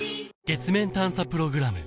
月面探査プログラム